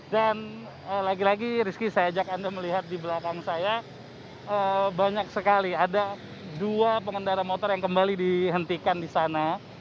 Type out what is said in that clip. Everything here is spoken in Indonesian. dan lagi lagi rizky saya ajak anda melihat di belakang saya banyak sekali ada dua pengendara motor yang kembali dihentikan di sana